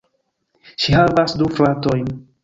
Ŝi havas du fratojn.